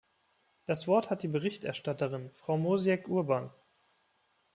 Das Wort hat die Berichterstatterin, Frau Mosiek-Urbahn.